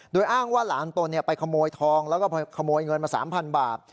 โดยอ้างว่าหลานตนไปขโมยทองแล้วก็ขโมยเงินมา๓๐๐บาท